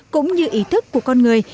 cũng như ý thức của con người